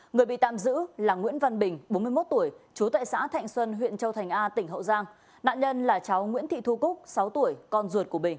người bị tạm giữ là nguyễn văn bình bốn mươi một tuổi chú tại xã thạnh xuân huyện châu thành a tỉnh hậu giang